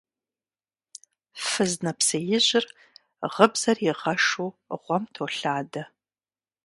Фыз нэпсеижьыр гыбзэр игъэшу гъуэм толъадэ.